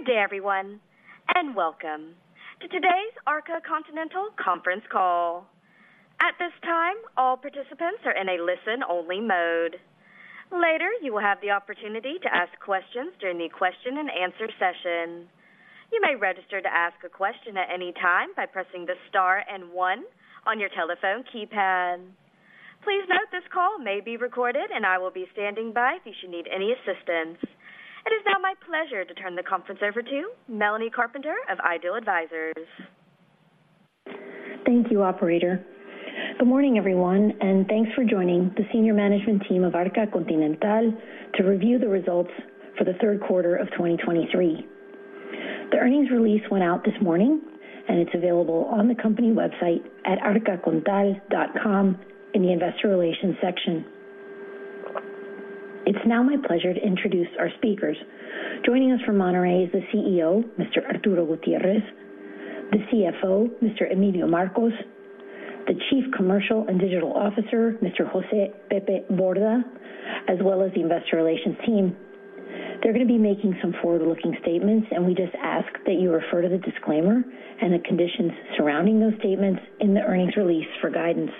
Good day, everyone, and welcome to today's Arca Continental Conference Call. At this time, all participants are in a listen-only mode. Later, you will have the opportunity to ask questions during the question-and-answer session. You may register to ask a question at any time by pressing the star and one on your telephone keypad. Please note this call may be recorded, and I will be standing by if you should need any assistance. It is now my pleasure to turn the conference over to Melanie Carpenter of IDEAL Advisors. Thank you, operator. Good morning, everyone, and thanks for joining the senior management team of Arca Continental to review the results for the Q3 of 2023. The earnings release went out this morning, and it's available on the company website at arcacontinental.com in the Investor Relations section. It's now my pleasure to introduce our speakers. Joining us from Monterrey is the CEO, Mr. Arturo Gutiérrez, the CFO, Mr. Emilio Marcos, the Chief Commercial and Digital Officer, Mr. José Pepe Borda, as well as the investor relations team. They're gonna be making some forward-looking statements, and we just ask that you refer to the disclaimer and the conditions surrounding those statements in the earnings release for guidance.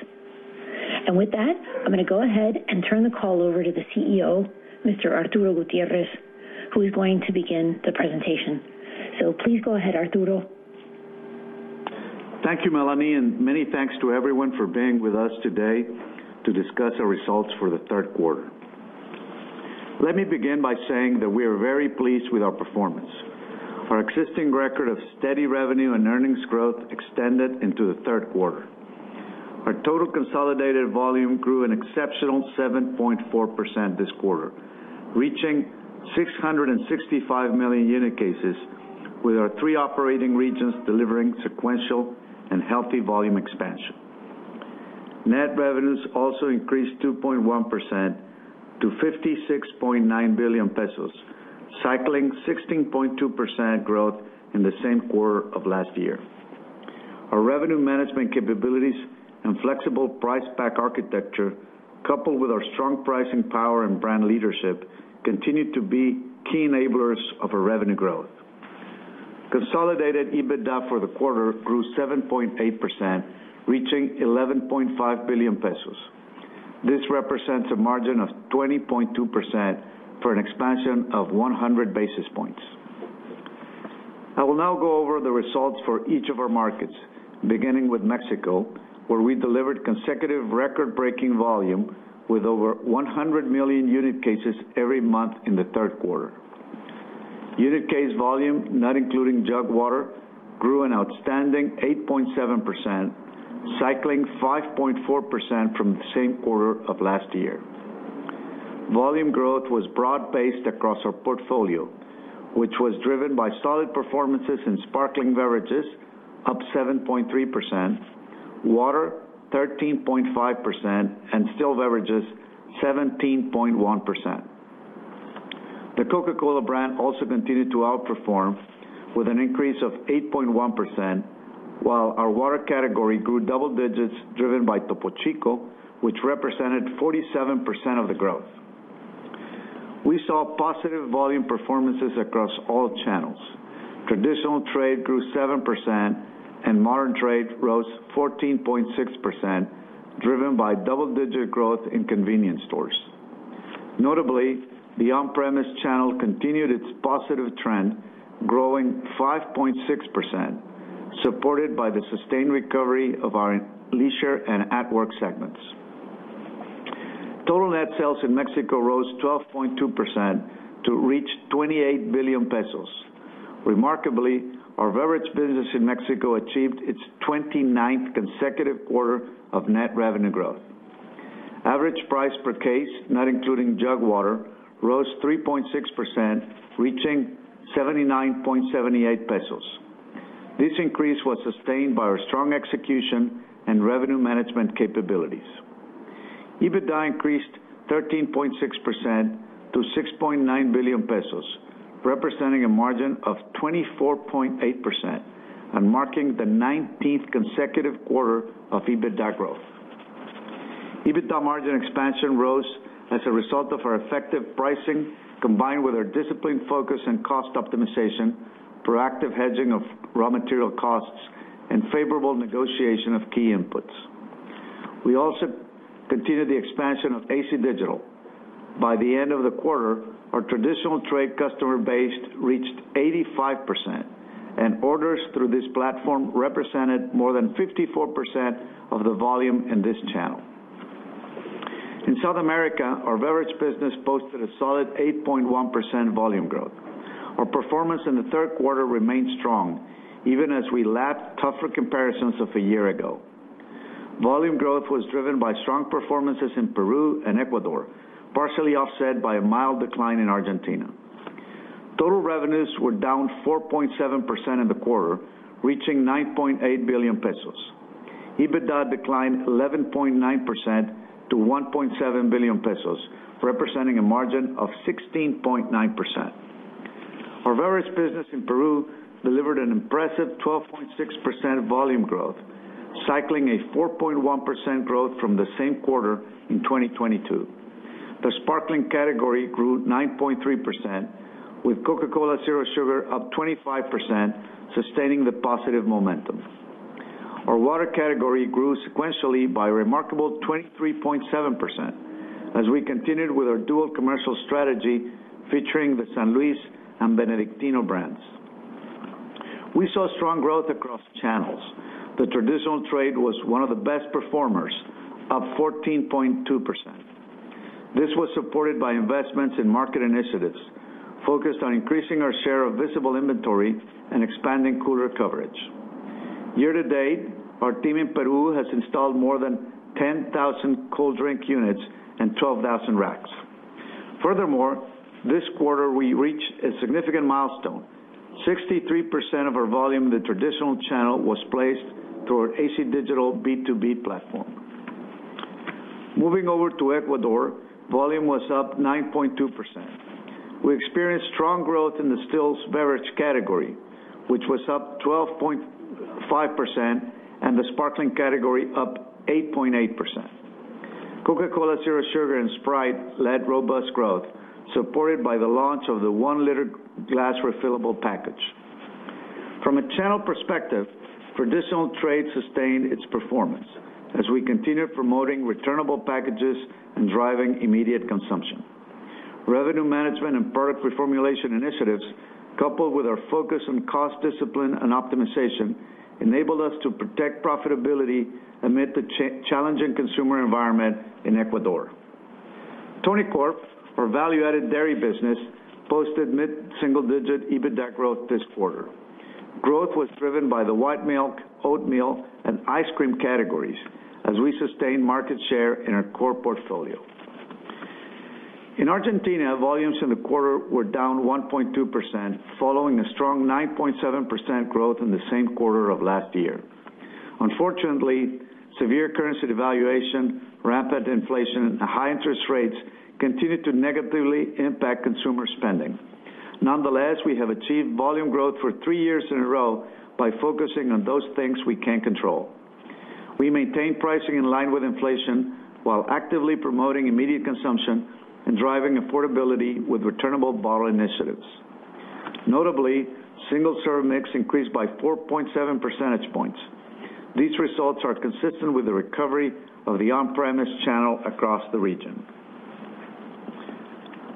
With that, I'm gonna go ahead and turn the call over to the CEO, Mr. Arturo Gutiérrez, who is going to begin the presentation. Please go ahead, Arturo. Thank you, Melanie, and many thanks to everyone for being with us today to discuss our results for the Q3. Let me begin by saying that we are very pleased with our performance. Our existing record of steady revenue and earnings growth extended into the Q3. Our total consolidated volume grew an exceptional 7.4% this quarter, reaching 665 million unit cases, with our three operating regions delivering sequential and healthy volume expansion. Net revenues also increased 2.1% to 56.9 billion pesos, cycling 16.2% growth in the same quarter of last year. Our revenue management capabilities and flexible price pack architecture, coupled with our strong pricing power and brand leadership, continued to be key enablers of our revenue growth. Consolidated EBITDA for the quarter grew 7.8%, reaching 11.5 billion pesos. This represents a margin of 20.2% for an expansion of 100 basis points. I will now go over the results for each of our markets, beginning with Mexico, where we delivered consecutive record-breaking volume with over 100 million unit cases every month in the Q3. Unit case volume, not including jug water, grew an outstanding 8.7%, cycling 5.4% from the same quarter of last year. Volume growth was broad-based across our portfolio, which was driven by solid performances in sparkling beverages, up 7.3%, water, 13.5%, and still beverages, 17.1%. The Coca-Cola brand also continued to outperform with an increase of 8.1%, while our water category grew double digits, driven by Topo Chico, which represented 47% of the growth. We saw positive volume performances across all channels. Traditional trade grew 7%, and modern trade rose 14.6%, driven by double-digit growth in convenience stores. Notably, the on-premise channel continued its positive trend, growing 5.6%, supported by the sustained recovery of our leisure and at-work segments. Total net sales in Mexico rose 12.2% to reach 28 billion pesos. Remarkably, our beverage business in Mexico achieved its 29th consecutive quarter of net revenue growth. Average price per case, not including jug water, rose 3.6%, reaching 79.78 pesos. This increase was sustained by our strong execution and revenue management capabilities. EBITDA increased 13.6% to 6.9 billion pesos, representing a margin of 24.8% and marking the 19th consecutive quarter of EBITDA growth. EBITDA margin expansion rose as a result of our effective pricing, combined with our disciplined focus and cost optimization, proactive hedging of raw material costs, and favorable negotiation of key inputs. We also continued the expansion of AC Digital. By the end of the quarter, our traditional trade customer base reached 85%, and orders through this platform represented more than 54% of the volume in this channel. In South America, our beverage business posted a solid 8.1% volume growth. Our performance in the Q3 remained strong, even as we lapped tougher comparisons of a year ago. Volume growth was driven by strong performances in Peru and Ecuador, partially offset by a mild decline in Argentina. Total revenues were down 4.7% in the quarter, reaching 9.8 billion pesos. EBITDA declined 11.9% to 1.7 billion pesos, representing a margin of 16.9%. Our beverage business in Peru delivered an impressive 12.6% volume growth, cycling a 4.1% growth from the same quarter in 2022.... The sparkling category grew 9.3%, with Coca-Cola Zero Sugar up 25%, sustaining the positive momentum. Our water category grew sequentially by a remarkable 23.7%, as we continued with our dual commercial strategy, featuring the San Luis and Benedictino brands. We saw strong growth across channels. The traditional trade was one of the best performers, up 14.2%. This was supported by investments in market initiatives, focused on increasing our share of visible inventory and expanding cooler coverage. Year-to-date, our team in Peru has installed more than 10,000 cold drink units and 12,000 racks. Furthermore, this quarter, we reached a significant milestone: 63% of our volume in the traditional channel was placed through our AC Digital B2B platform. Moving over to Ecuador, volume was up 9.2%. We experienced strong growth in the stills beverage category, which was up 12.5%, and the sparkling category, up 8.8%. Coca-Cola Zero Sugar and Sprite led robust growth, supported by the launch of the 1-liter glass refillable package. From a channel perspective, traditional trade sustained its performance, as we continued promoting returnable packages and driving immediate consumption. Revenue management and product reformulation initiatives, coupled with our focus on cost discipline and optimization, enabled us to protect profitability amid the challenging consumer environment in Ecuador. Tonicorp, our value-added dairy business, posted mid-single-digit EBITDA growth this quarter. Growth was driven by the white milk, oat milk, and ice cream categories, as we sustained market share in our core portfolio. In Argentina, volumes in the quarter were down 1.2%, following a strong 9.7% growth in the same quarter of last year. Unfortunately, severe currency devaluation, rampant inflation, and high interest rates continued to negatively impact consumer spending. Nonetheless, we have achieved volume growth for three years in a row by focusing on those things we can control. We maintained pricing in line with inflation, while actively promoting immediate consumption and driving affordability with returnable bottle initiatives. Notably, single-serve mix increased by 4.7 percentage points. These results are consistent with the recovery of the on-premise channel across the region.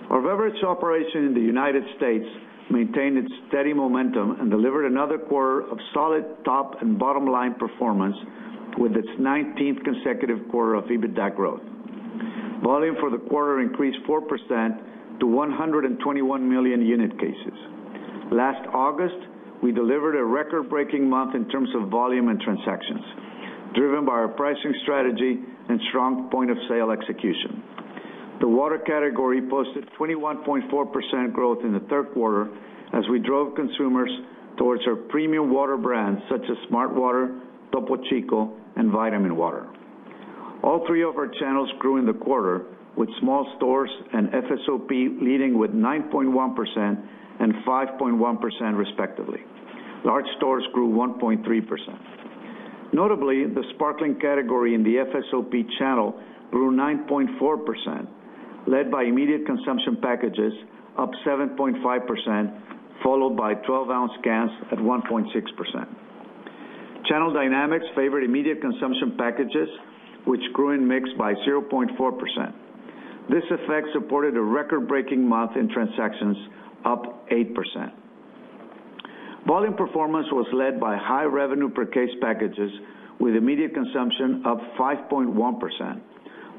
Our beverage operation in the United States maintained its steady momentum and delivered another quarter of solid top and bottom line performance, with its 19th consecutive quarter of EBITDA growth. Volume for the quarter increased 4% to 121 million unit cases. Last August, we delivered a record-breaking month in terms of volume and transactions, driven by our pricing strategy and strong point of sale execution. The water category posted 21.4% growth in the Q3, as we drove consumers towards our premium water brands, such as smartwater, Topo Chico, and vitaminwater. All three of our channels grew in the quarter, with small stores and FSOP leading with 9.1% and 5.1%, respectively. Large stores grew 1.3%. Notably, the sparkling category in the FSOP channel grew 9.4%, led by immediate consumption packages, up 7.5%, followed by 12-ounce cans at 1.6%. Channel dynamics favor immediate consumption packages, which grew in mix by 0.4%. This effect supported a record-breaking month in transactions, up 8%. Volume performance was led by high revenue per case packages, with immediate consumption up 5.1%,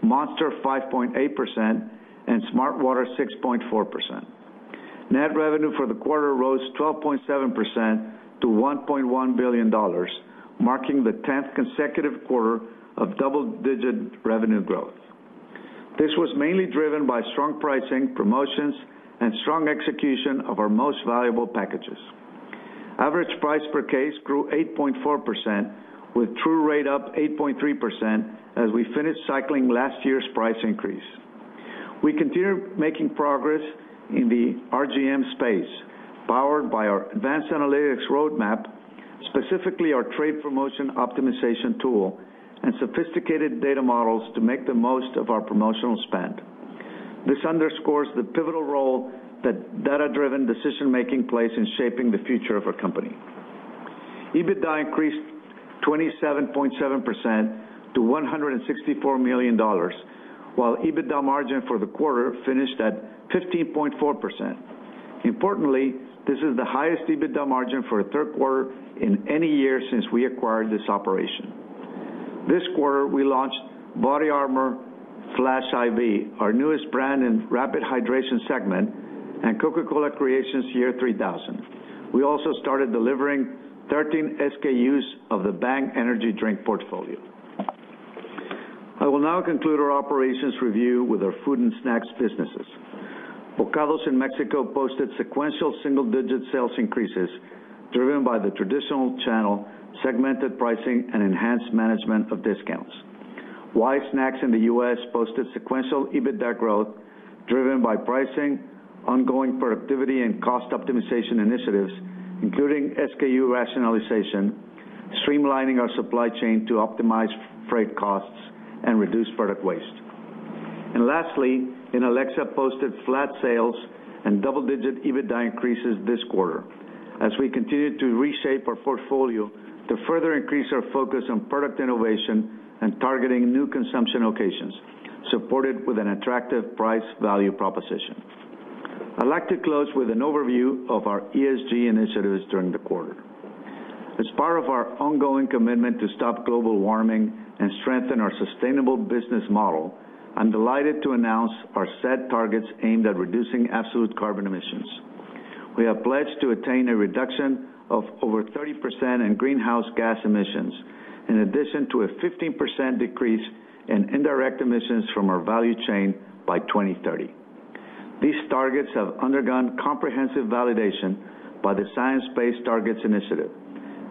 Monster 5.8%, and smartwater 6.4%. Net revenue for the quarter rose 12.7% to $1.1 billion, marking the tenth consecutive quarter of double-digit revenue growth. This was mainly driven by strong pricing, promotions, and strong execution of our most valuable packages. Average price per case grew 8.4%, with true rate up 8.3%, as we finished cycling last year's price increase. We continue making progress in the RGM space, powered by our advanced analytics roadmap, specifically our trade promotion optimization tool and sophisticated data models to make the most of our promotional spend. This underscores the pivotal role that data-driven decision-making plays in shaping the future of our company. EBITDA increased 27.7% to $164 million, while EBITDA margin for the quarter finished at 15.4%. Importantly, this is the highest EBITDA margin for a Q3 in any year since we acquired this operation. This quarter, we launched BODYARMOR Flash I.V., our newest brand in rapid hydration segment, and Coca-Cola Creations Y3000. We also started delivering 13 SKUs of the Bang energy drink portfolio. I will now conclude our operations review with our food and snacks businesses. Bokados in Mexico posted sequential single-digit sales increases, driven by the traditional channel, segmented pricing, and enhanced management of discounts. Wise Snacks in the US posted sequential EBITDA growth, driven by pricing, ongoing productivity and cost optimization initiatives, including SKU rationalization, streamlining our supply chain to optimize freight costs and reduce product waste. And lastly, Inalecsa posted flat sales and double-digit EBITDA increases this quarter, as we continued to reshape our portfolio to further increase our focus on product innovation and targeting new consumption locations, supported with an attractive price value proposition. I'd like to close with an overview of our ESG initiatives during the quarter. As part of our ongoing commitment to stop global warming and strengthen our sustainable business model, I'm delighted to announce our set targets aimed at reducing absolute carbon emissions. We have pledged to attain a reduction of over 30% in greenhouse gas emissions, in addition to a 15% decrease in indirect emissions from our value chain by 2030. These targets have undergone comprehensive validation by the Science-Based Targets Initiative,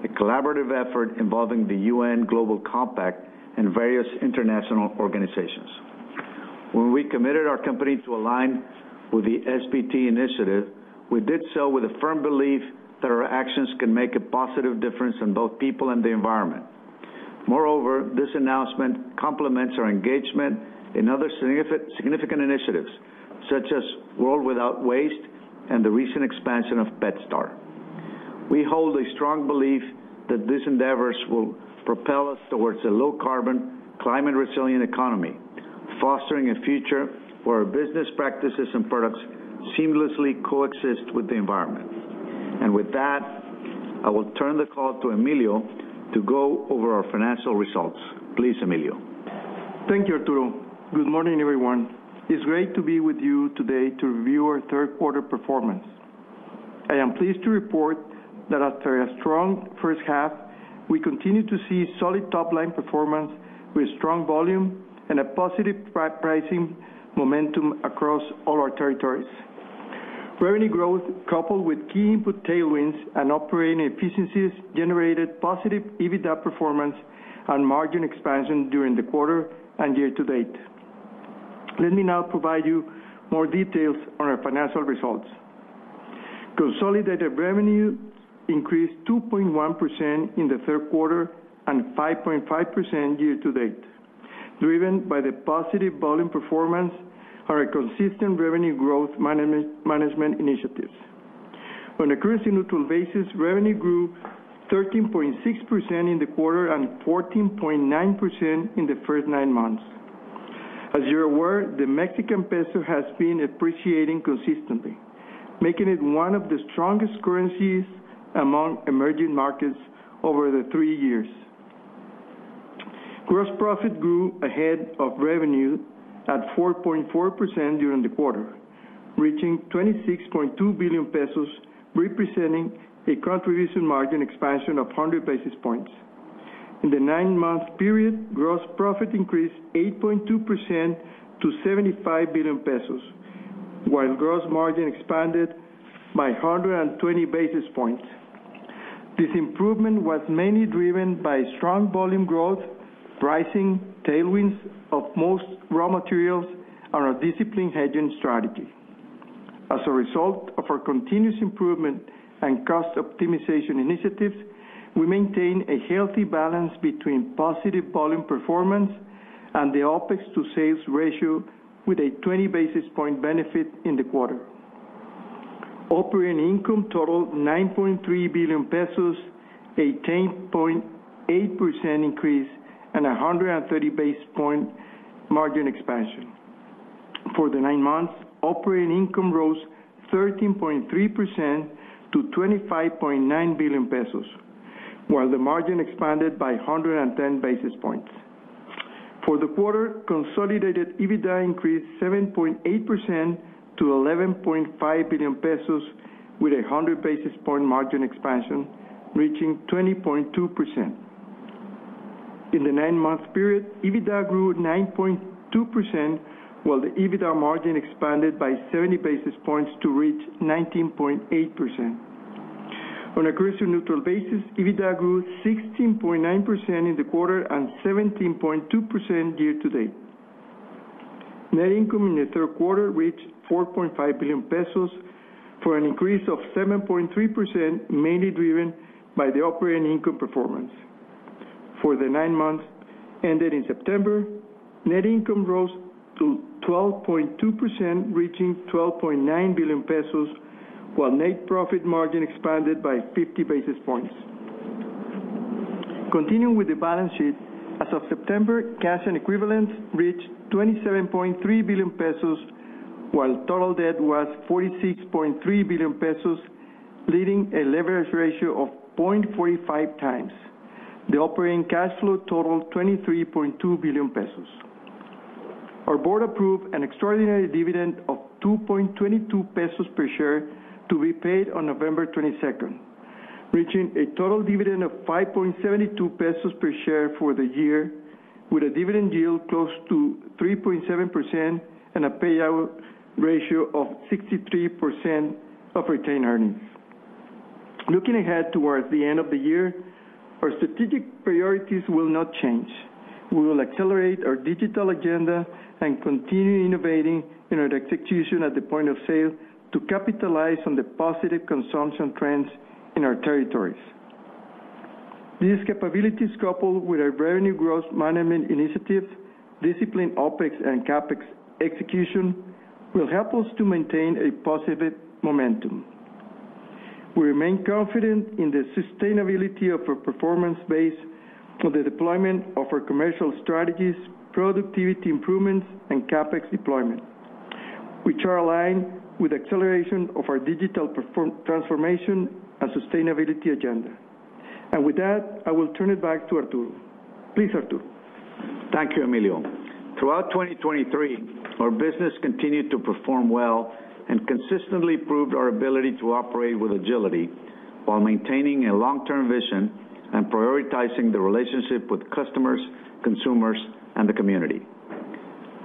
a collaborative effort involving the UN Global Compact and various international organizations. When we committed our company to align with the SBT initiative, we did so with a firm belief that our actions can make a positive difference in both people and the environment. Moreover, this announcement complements our engagement in other significant initiatives, such as World Without Waste and the recent expansion of PetStar. We hold a strong belief that these endeavors will propel us towards a low-carbon, climate-resilient economy, fostering a future where our business practices and products seamlessly coexist with the environment. With that, I will turn the call to Emilio to go over our financial results. Please, Emilio. Thank you, Arturo. Good morning, everyone. It's great to be with you today to review our Q3 performance. I am pleased to report that after a strong first half, we continue to see solid top-line performance with strong volume and a positive pricing momentum across all our territories. Revenue growth, coupled with key input tailwinds and operating efficiencies, generated positive EBITDA performance and margin expansion during the quarter and year to date. Let me now provide you more details on our financial results. Consolidated revenue increased 2.1% in the Q3, and 5.5% year to date, driven by the positive volume performance and our consistent revenue growth management initiatives. On a currency neutral basis, revenue grew 13.6% in the quarter, and 14.9% in the first nine months. As you're aware, the Mexican peso has been appreciating consistently, making it one of the strongest currencies among emerging markets over the three years. Gross profit grew ahead of revenue at 4.4% during the quarter, reaching 26.2 billion pesos, representing a contribution margin expansion of 100 basis points. In the nine-month period, gross profit increased 8.2% to 75 billion pesos, while gross margin expanded by 120 basis points. This improvement was mainly driven by strong volume growth, pricing, tailwinds of most raw materials, and our disciplined hedging strategy. As a result of our continuous improvement and cost optimization initiatives, we maintain a healthy balance between positive volume performance and the OpEx to sales ratio, with a 20 basis point benefit in the quarter. Operating income totaled 9.3 billion pesos, a 10.8% increase and a 130 basis point margin expansion. For the nine months, operating income rose 13.3% to 25.9 billion pesos, while the margin expanded by 110 basis points. For the quarter, consolidated EBITDA increased 7.8% to 11.5 billion pesos, with a 100 basis point margin expansion, reaching 20.2%. In the nine-month period, EBITDA grew 9.2%, while the EBITDA margin expanded by 70 basis points to reach 19.8%. On a currency neutral basis, EBITDA grew 16.9% in the quarter, and 17.2% year to date. Net income in the Q3 reached 4.5 billion pesos, for an increase of 7.3%, mainly driven by the operating income performance. For the nine months ended in September, net income rose 12.2%, reaching 12.9 billion pesos, while net profit margin expanded by 50 basis points. Continuing with the balance sheet, as of September, cash and equivalents reached 27.3 billion pesos, hhile total debt was 46.3 billion pesos, leading a leverage ratio of 0.45x. The operating cash flow totaled 23.2 billion pesos. Our board approved an extraordinary dividend of 2.22 pesos per share to be paid on November 22nd, reaching a total dividend of 5.72 pesos per share for the year, with a dividend yield close to 3.7% and a payout ratio of 63% of retained earnings. Looking ahead towards the end of the year, our strategic priorities will not change... We will accelerate our digital agenda and continue innovating in our execution at the point of sale to capitalize on the positive consumption trends in our territories. These capabilities, coupled with our revenue growth management initiatives, disciplined OpEx and CapEx execution, will help us to maintain a positive momentum. We remain confident in the sustainability of our performance base for the deployment of our commercial strategies, productivity improvements, and CapEx deployment, which are aligned with acceleration of our digital transformation and sustainability agenda. With that, I will turn it back to Arturo. Please, Arturo. Thank you, Emilio. Throughout 2023, our business continued to perform well and consistently proved our ability to operate with agility while maintaining a long-term vision and prioritizing the relationship with customers, consumers, and the community.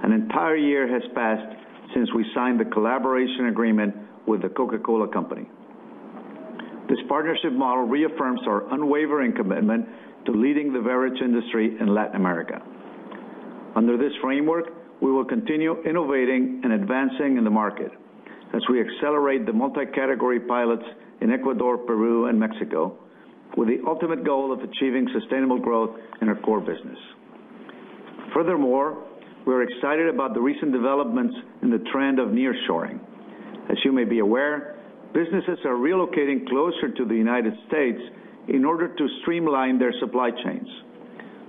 An entire year has passed since we signed the collaboration agreement with the Coca-Cola Company. This partnership model reaffirms our unwavering commitment to leading the beverage industry in Latin America. Under this framework, we will continue innovating and advancing in the market as we accelerate the multi-category pilots in Ecuador, Peru, and Mexico, with the ultimate goal of achieving sustainable growth in our core business. Furthermore, we're excited about the recent developments in the trend of nearshoring. As you may be aware, businesses are relocating closer to the United States in order to streamline their supply chains.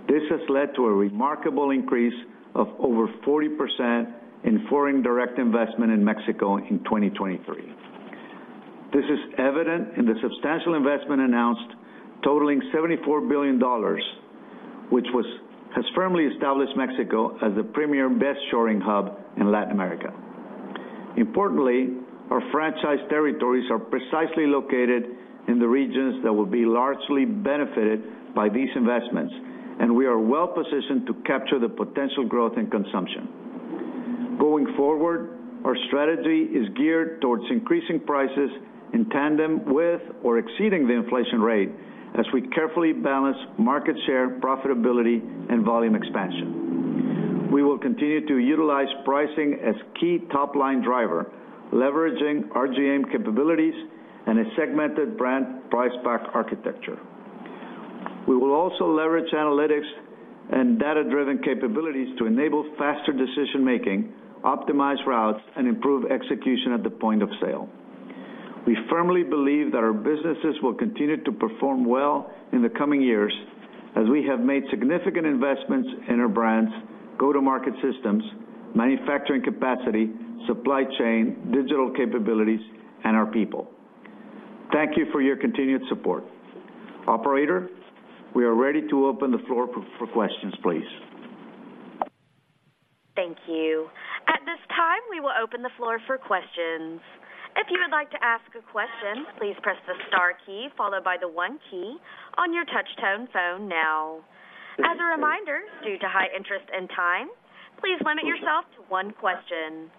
This has led to a remarkable increase of over 40% in foreign direct investment in Mexico in 2023. This is evident in the substantial investment announced, totaling $74 billion, which has firmly established Mexico as the premier best shoring hub in Latin America. Importantly, our franchise territories are precisely located in the regions that will be largely benefited by these investments, and we are well positioned to capture the potential growth in consumption. Going forward, our strategy is geared towards increasing prices in tandem with or exceeding the inflation rate as we carefully balance market share, profitability, and volume expansion. We will continue to utilize pricing as key top-line driver, leveraging RGM capabilities and a segmented brandprice pack architecture. We will also leverage analytics and data-driven capabilities to enable faster decision-making, optimize routes, and improve execution at the point of sale. We firmly believe that our businesses will continue to perform well in the coming years as we have made significant investments in our brands, go-to-market systems, manufacturing capacity, supply chain, digital capabilities, and our people. Thank you for your continued support. Operator, we are ready to open the floor for questions, please. Thank you. At this time, we will open the floor for questions. If you would like to ask a question, please press the star key followed by the one key on your touch-tone phone now. As a reminder, due to high interest and time, please limit yourself to one question.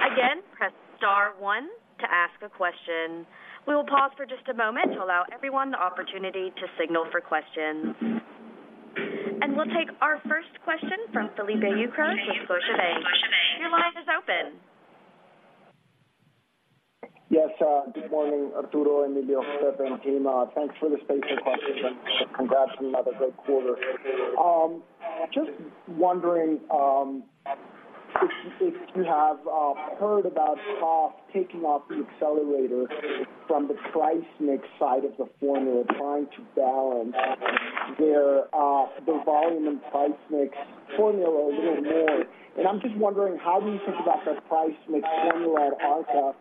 Again, press star one to ask a question. We will pause for just a moment to allow everyone the opportunity to signal for questions. And we'll take our first question from Felipe Ucros with Scotiabank. Your line is open. Yes, good morning, Arturo, Emilio, Steph, and Team. Thanks for the space for questions, and congrats on another great quarter. Just wondering, if you have heard about Coke taking off the accelerator from the price mix side of the formula, trying to balance their their volume and price mix formula a little more. And I'm just wondering, how do you think about that price mix formula at Arca,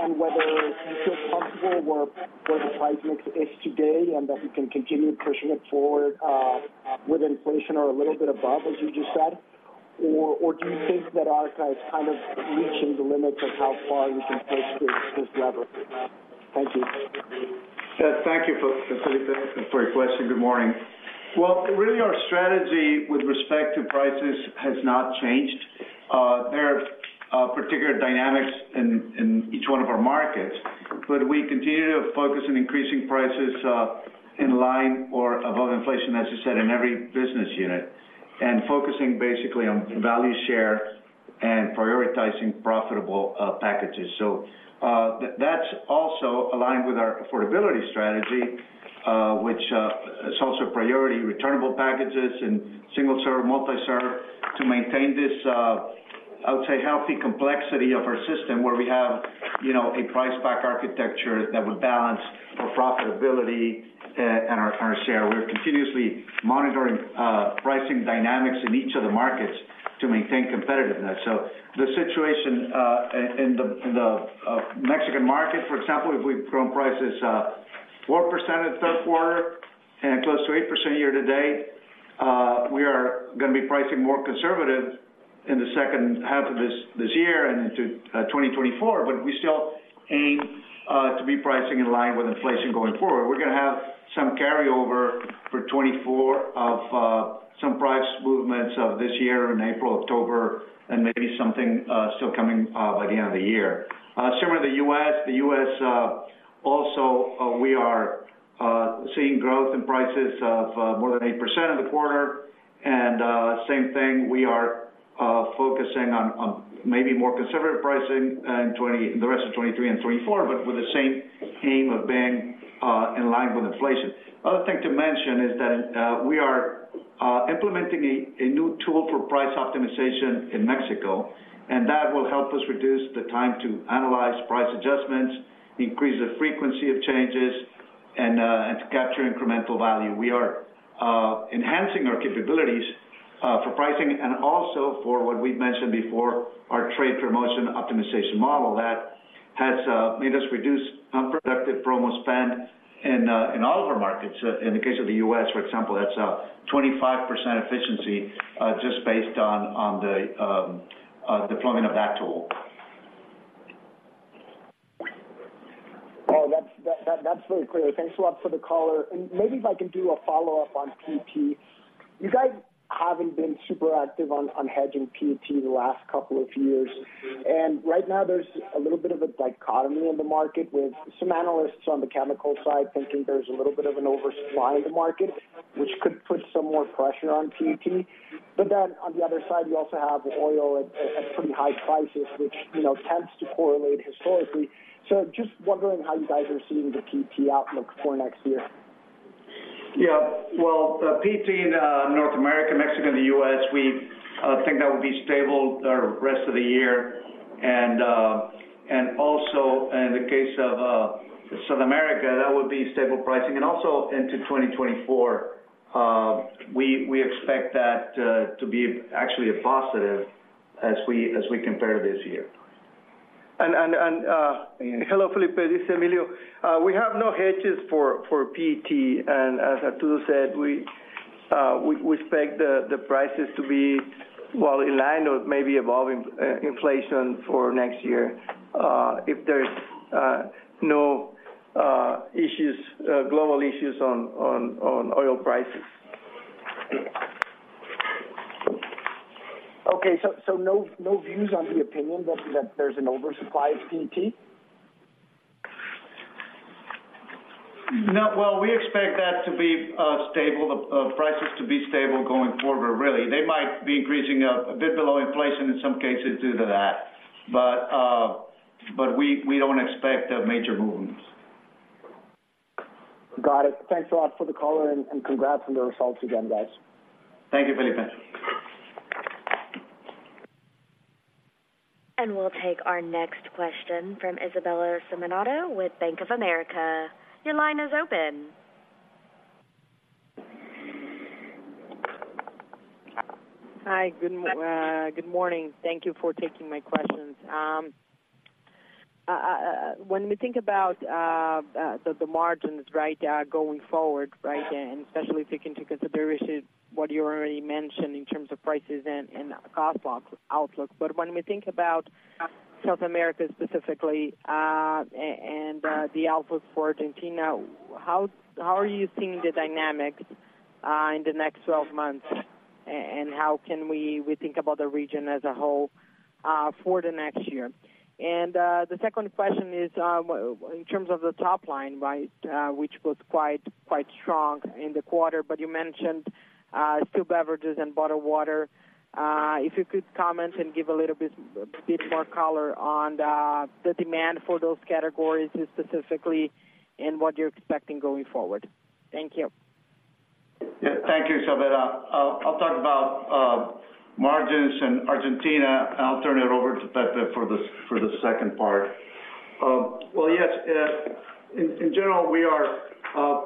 and whether you feel comfortable where the price mix is today, and that you can continue pushing it forward with inflation or a little bit above, as you just said? Or do you think that Arca is kind of reaching the limits of how far you can push this lever? Thank you. Thank you, Felipe, for your question. Good morning. Well, really, our strategy with respect to prices has not changed. There are particular dynamics in each one of our markets, but we continue to focus on increasing prices in line or above inflation, as you said, in every business unit, and focusing basically on value share and prioritizing profitable packages. So, that's also aligned with our affordability strategy, which is also priority returnable packages and single-serve, multi-serve, to maintain this, I would say, healthy complexity of our system, where we have, you know, a price pack architecture that would balance our profitability and our share. We're continuously monitoring pricing dynamics in each of the markets to maintain competitiveness. So the situation in the Mexican market, for example, if we've grown prices 4% in the Q3 and close to 8% year to date, we are gonna be pricing more conservative in the second half of this year and into 2024. But we still aim to be pricing in line with inflation going forward. We're gonna have some carryover for 2024 of some price moves of this year in April, October, and maybe something still coming by the end of the year. Similar to the U.S., also, we are seeing growth in prices of more than 8% in the quarter. And same thing, we are focusing on maybe more conservative pricing in the rest of 2023 and 2024, but with the same aim of being in line with inflation. Other thing to mention is that we are implementing a new tool for price optimization in Mexico, and that will help us reduce the time to analyze price adjustments, increase the frequency of changes, and to capture incremental value. We are enhancing our capabilities for pricing, and also for what we've mentioned before, our trade promotion optimization model that has made us reduce unproductive promo spend in all of our markets. In the case of the US, for example, that's 25% efficiency just based on the deployment of that tool. Well, that's very clear. Thanks a lot for the color. And maybe if I can do a follow-up on PET. You guys haven't been super active on hedging PET the last couple of years, and right now there's a little bit of a dichotomy in the market, with some analysts on the chemical side thinking there's a little bit of an oversupply in the market, which could put some more pressure on PET. But then, on the other side, you also have oil at pretty high prices, which, you know, tends to correlate historically. So just wondering how you guys are seeing the PET outlook for next year? Yeah. Well, PET in North America, Mexico, and the U.S., we think that will be stable the rest of the year. And also in the case of South America, that would be stable pricing and also into 2024. We expect that to be actually a positive as we compare this year. Hello, Felipe, this is Emilio. We have no hedges for PET, and as Arturo said, we expect the prices to be well in line or maybe above inflation for next year, if there's no global issues on oil prices. Okay. So no views on the opinion that there's an oversupply of PET? No. Well, we expect that to be stable, prices to be stable going forward, but really, they might be increasing a bit below inflation in some cases due to that. But, but we don't expect major movements. Got it. Thanks a lot for the color, and congrats on the results again, guys. Thank you, Felipe. We'll take our next question from Isabella Simonato with Bank of America. Your line is open. Hi, good morning. Thank you for taking my questions. When we think about the margins, right, going forward, right? And especially if you can take into consideration what you already mentioned in terms of prices and cost outlook. But when we think about South America specifically and the outlook for Argentina, how are you seeing the dynamics in the next 12 months and how can we think about the region as a whole for the next year? And the second question is, in terms of the top line, right, which was quite strong in the quarter, but you mentioned still beverages and bottled water. If you could comment and give a little bit more color on the demand for those categories specifically, and what you're expecting going forward. Thank you. Yeah. Thank you, Isabella. I'll talk about margins in Argentina, and I'll turn it over to Pepe for the second part. Well, yes, in general, we are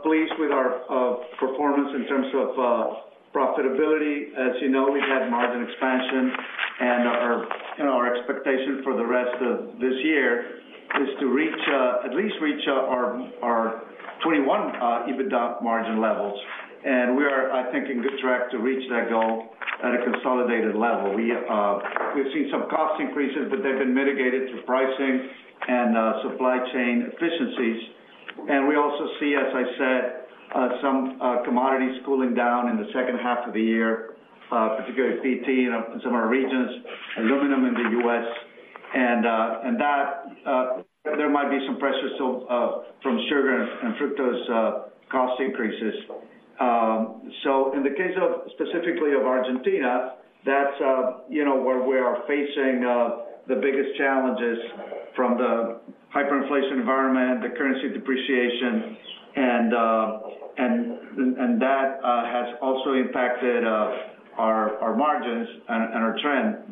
pleased with our performance in terms of profitability. As you know, we've had margin expansion and our expectation for the rest of this year is to reach at least our 21 EBITDA margin levels. And we are, I think, in good track to reach that goal at a consolidated level. We've seen some cost increases, but they've been mitigated through pricing and supply chain efficiencies. And we also see, as I said, some commodities cooling down in the second half of the year, particularly PET in some of our regions, aluminum in the US. And that there might be some pressures so from sugar and fructose cost increases. So in the case of, specifically of Argentina, that's, you know, where we are facing the biggest challenges from the hyperinflation environment, the currency depreciation, and that has also impacted our margins and our trend.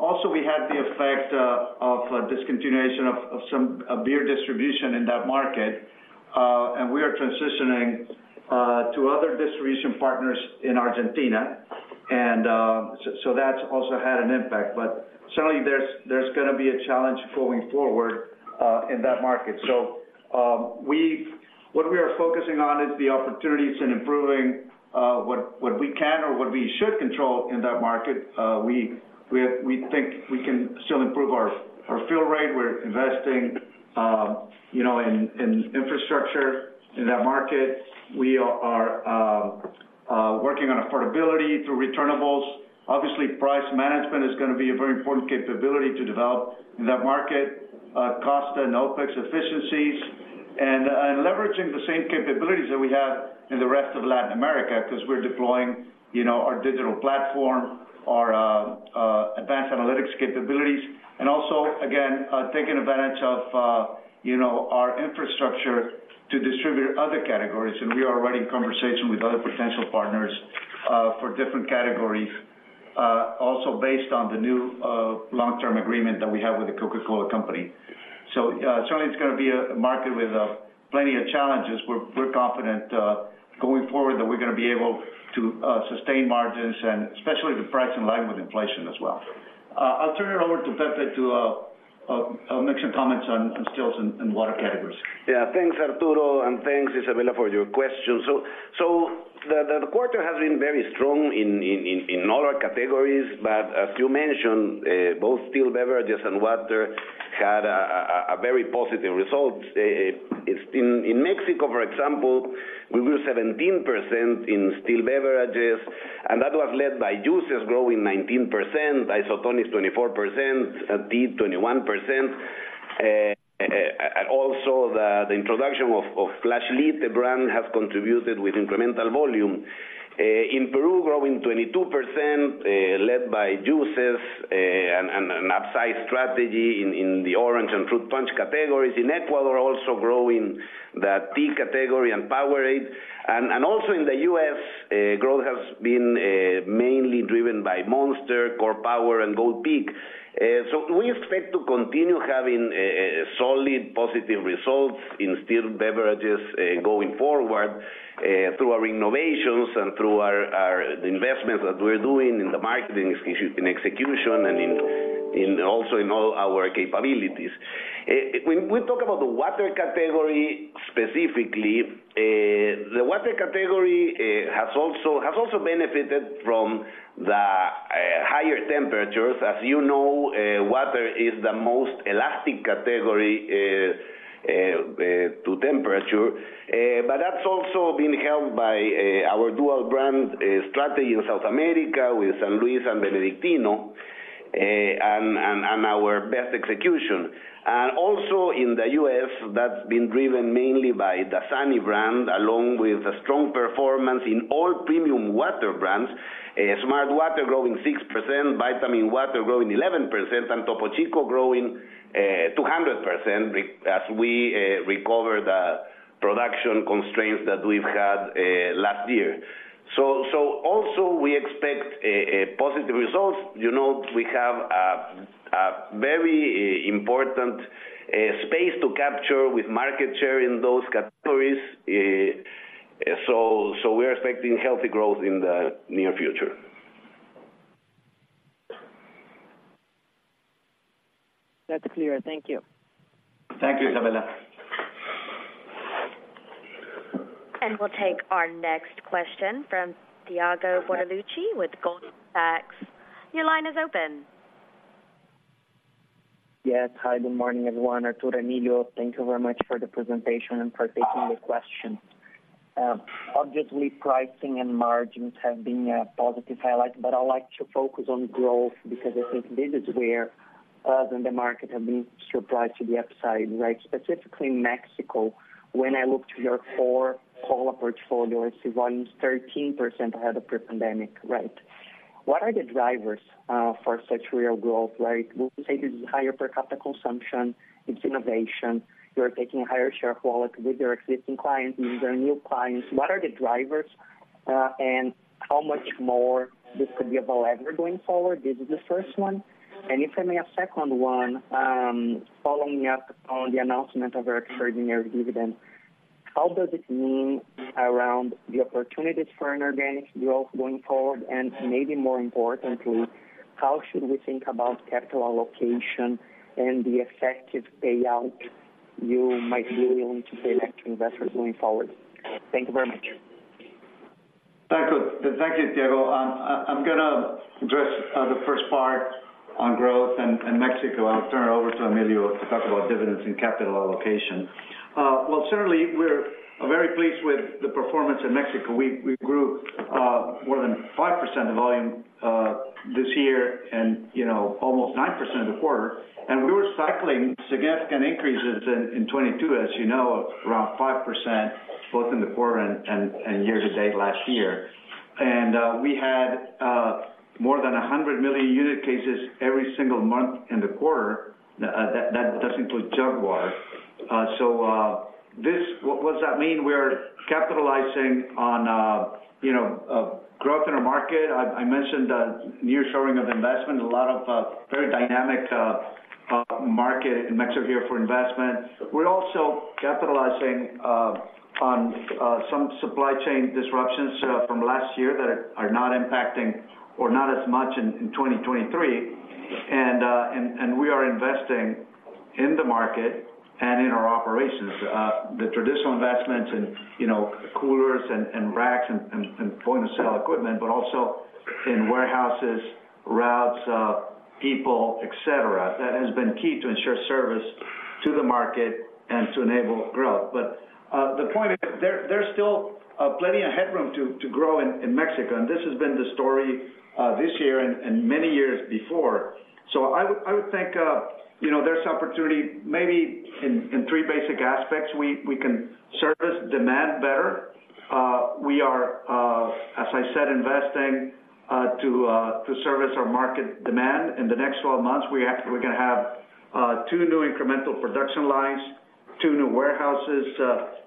Also, we had the effect of discontinuation of some beer distribution in that market, and we are transitioning to other distribution partners in Argentina. And so that's also had an impact. But certainly there's gonna be a challenge going forward in that market. So what we are focusing on is the opportunities in improving what we can or what we should control in that market. We think we can still improve our fill rate. We're investing, you know, in infrastructure in that market. We are working on affordability through returnables. Obviously, price management is going to be a very important capability to develop in that market, cost and OpEx efficiencies, and leveraging the same capabilities that we have in the rest of Latin America, because we're deploying, you know, our digital platform, our advanced analytics capabilities, and also, again, taking advantage of, you know, our infrastructure to distribute other categories. And we are already in conversation with other potential partners for different categories, also based on the new long-term agreement that we have with The Coca-Cola Company. So, certainly it's gonna be a market with plenty of challenges. We're confident going forward that we're gonna be able to sustain margins and especially the price in line with inflation as well. I'll turn it over to Pepe to make some comments on stills and water categories. Yeah. Thanks, Arturo, and thanks, Isabella, for your question. So, the quarter has been very strong in all our categories, but as you mentioned, both still beverages and water had a very positive results. In Mexico, for example, we grew 17% in still beverages, and that was led by juices growing 19%, isotonics 24%, tea 21%, and also the introduction of Fuze Tea, the brand, has contributed with incremental volume. In Peru, growing 22%, led by juices and an upsize strategy in the orange and fruit punch categories. In Ecuador, also growing the tea category and Powerade. And also in the US, growth has been mainly driven by Monster, Core Power, and Gold Peak. So we expect to continue having a solid, positive results in still beverages going forward through our innovations and through our investments that we're doing in the marketing execution and in also in all our capabilities. When we talk about the water category, specifically, the water category has also benefited from the higher temperatures. As you know, water is the most elastic category to temperature. But that's also been helped by our dual brand strategy in South America with San Luis and Benedictino and our best execution. And also in the US, that's been driven mainly by Dasani brand, along with a strong performance in all premium water brands. smartwater growing 6%, vitaminwater growing 11%, and Topo Chico growing 200%, as we recover the production constraints that we've had last year. So also we expect positive results. You know, we have a very important space to capture with market share in those categories, so we are expecting healthy growth in the near future. That's clear. Thank you. Thank you, Isabella. We'll take our next question from Thiago Bortoluci with Goldman Sachs. Your line is open. Yes. Hi, good morning, everyone. Arturo, Emilio, thank you very much for the presentation and for taking the questions. Obviously, pricing and margins have been a positive highlight, but I'd like to focus on growth because I think this is where us and the market have been surprised to the upside, right? Specifically in Mexico, when I look to your core cola portfolio, I see volume is 13% ahead of pre-pandemic, right. What are the drivers for such real growth? Like, would you say this is higher per capita consumption, it's innovation, you are taking a higher share of wallet with your existing clients and your new clients? What are the drivers, and how much more this could be a lever going forward? This is the first one. And if I may, a second one, following up on the announcement of our extraordinary dividend, how does it mean around the opportunities for an organic growth going forward? And maybe more importantly, how should we think about capital allocation and the effective payout you might be willing to pay back to investors going forward? Thank you very much. Thank you. Thank you, Thiago. I, I'm gonna address the first part on growth in Mexico. I'll turn it over to Emilio to talk about dividends and capital allocation. Well, certainly, we're very pleased with the performance in Mexico. We, we grew more than 5% of volume this year and, you know, almost 9% in the quarter. We were cycling significant increases in 2022, as you know, around 5%, both in the quarter and year to date last year. We had more than 100 million unit cases every single month in the quarter. That does include jug water. What does that mean? We're capitalizing on, you know, growth in the market. I mentioned the nearshoring of investment, a lot of very dynamic market in Mexico here for investment. We're also capitalizing on some supply chain disruptions from last year that are not impacting or not as much in 2023. And we are investing in the market and in our operations. The traditional investments in, you know, coolers and racks, and point-of-sale equipment, but also in warehouses, routes, people, et cetera. That has been key to ensure service to the market and to enable growth. But the point is, there's still plenty of headroom to grow in Mexico, and this has been the story this year and many years before. So I would think, you know, there's opportunity maybe in three basic aspects. We can service demand better. We are, as I said, investing to service our market demand. In the next 12 months, we're gonna have two new incremental production lines, two new warehouses,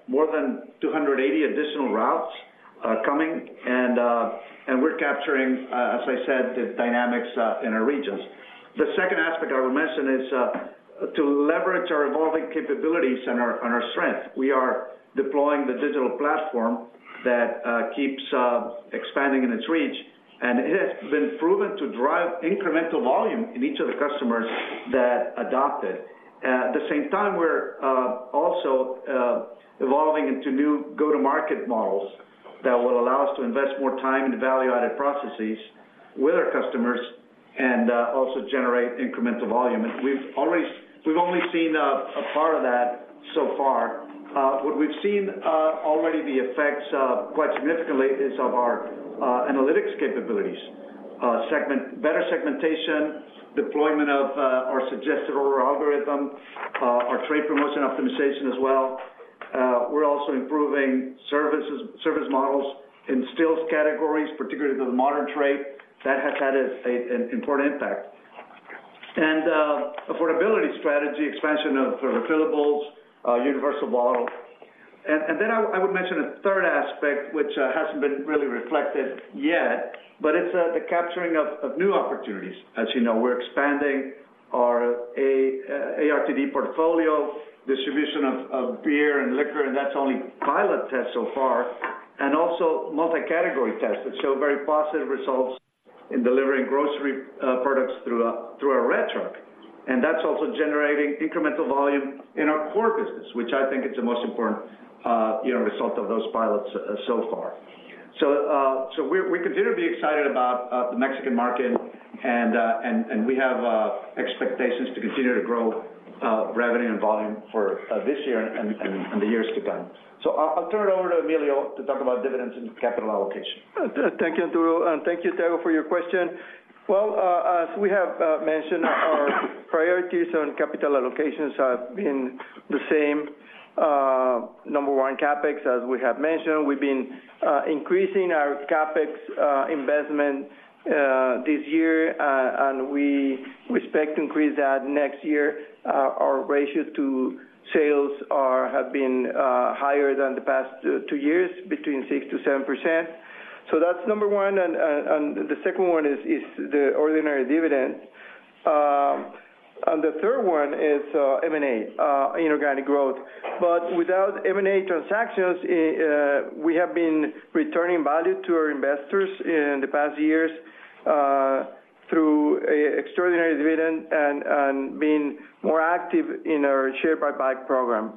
more than 280 additional routes coming, and we're capturing, as I said, the dynamics in our regions. The second aspect I would mention is to leverage our evolving capabilities and our strength. We are deploying the digital platform that keeps expanding in its reach, and it has been proven to drive incremental volume in each of the customers that adopt it. At the same time, we're also evolving into new go-to-market models that will allow us to invest more time in the value-added processes with our customers, and also generate incremental volume. And we've only seen a part of that so far. What we've seen already the effects quite significantly is of our analytics capabilities. Better segmentation, deployment of our suggested order algorithm, our trade promotion optimization as well. We're also improving services, service models in still categories, particularly the modern trade. That has had an important impact. And affordability strategy, expansion of refillables, universal bottle. And then I would mention a third aspect, which hasn't been really reflected yet, but it's the capturing of new opportunities. As you know, we're expanding our ARTD portfolio, distribution of beer and liquor, and that's only pilot test so far, and also multi-category tests that show very positive results in delivering grocery products through our red truck. And that's also generating incremental volume in our core business, which I think is the most important, you know, result of those pilots so far. So, so we're, we continue to be excited about, the Mexican market, and, and, and we have, expectations to continue to grow, revenue and volume for, this year and, and, and the years to come. So I'll, I'll turn it over to Emilio to talk about dividends and capital allocation. Thank you, Arturo, and thank you, Thiago, for your question. Well, as we have mentioned, our priorities on capital allocations have been the same. Number one, CapEx, as we have mentioned. We've been increasing our CapEx investment this year, and we expect to increase that next year. Our ratio to sales have been higher than the past two years, between 6%-7%. So that's number one, and the second one is the ordinary dividend. And the third one is M&A, inorganic growth. But without M&A transactions, we have been returning value to our investors in the past years, through an extraordinary dividend and being more active in our share buyback program.